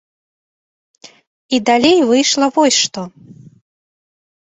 І далей выйшла вось што.